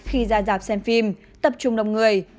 khi ra giảm xem phim tập trung đông người